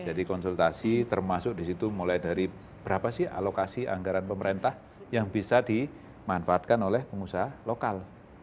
jadi konsultasi termasuk disitu mulai dari berapa sih alokasi anggaran pemerintah yang bisa dimanfaatkan oleh pengusaha lokal